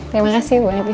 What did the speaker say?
terima kasih bu andin